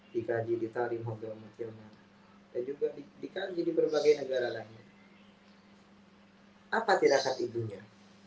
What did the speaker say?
dikaji di tariqah dan juga dikaji di berbagai negara lainnya hai apa tidak hati dunia